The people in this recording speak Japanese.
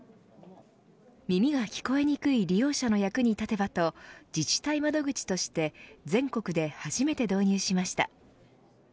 耳が聞こえにくい利用者の役に立てばと自治体窓口として全国で初めて導入しました。